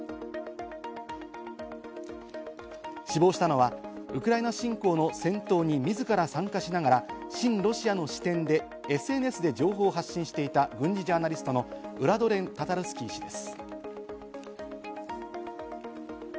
死亡したのはウクライナ侵攻の戦闘に自ら参加しながら、親ロシアの視点でＳＮＳで情報を発信していた軍事ジャーナリストのウラドレン・タタルスキー氏です。